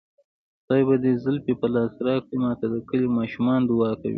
خدای به دې زلفې په لاس راکړي ماته د کلي ماشومان دوعا کوينه